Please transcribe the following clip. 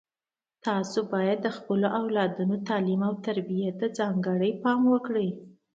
تاسو باید د خپلو اولادونو تعلیم او تربیې ته ځانګړی پام وکړئ